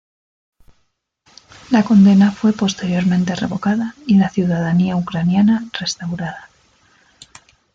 La condena fue posteriormente revocada y la ciudadanía ucraniana restaurada.